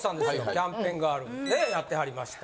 キャンペーンガールねやってはりました。